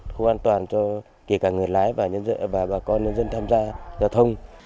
không an toàn cho kể cả người lái và bà con nhân dân tham gia giao thông